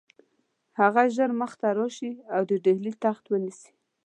هغه ژر مخته راشي او د ډهلي تخت ونیسي.